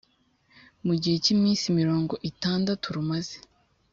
Mu gihe cy iminsi mirongo itandatu rumaze